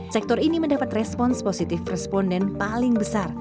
sektor ini mendapat respons positif responden paling besar